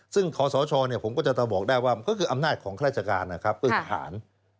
ซึ่งขอสชผมก็จะบอกได้ว่ามันก็คืออำนาจของข้าราชการนะครับเพื่อทหาร